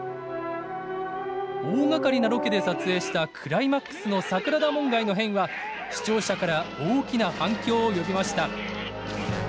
大がかりなロケで撮影したクライマックスの桜田門外の変は視聴者から大きな反響を呼びました。